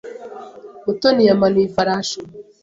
Mutoni yamanuye ifarashi.